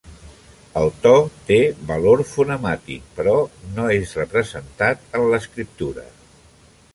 El to té valor fonemàtic, però no és representat en l'escriptura.